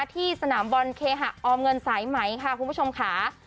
ที่สนามบอลเคหะออมเงินสายไหมค่ะคุณผู้ชมค่ะ